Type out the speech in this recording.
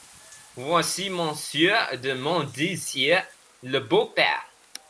Voici Monsieur de Montdésir, le beau-père !…